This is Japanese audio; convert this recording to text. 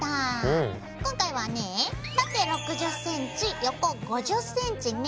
今回はね縦６０ｃｍ横５０ｃｍね。